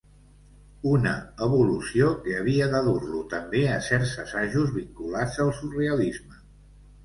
Una evolució que havia de dur-lo, també, a certs assajos vinculats al surrealisme.